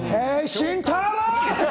慎太郎！